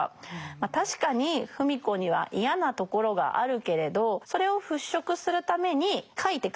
ま確かに芙美子には嫌なところがあるけれどそれを払拭するために書いて書いて書きまくった。